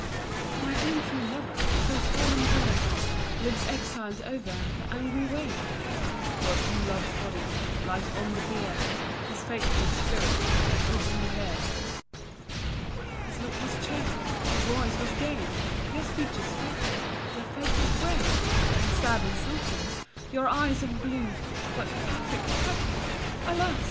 "My own true lover, So tall and brave, Lives exiled over The angry wave." "Your true love's body Lies on the bier, His faithful spirit Is with you here." "His look was cheerful, His voice was gay; Your speech is fearful, Your face is grey; And sad and sunken Your eye of blue, But Patrick, Patrick, Alas!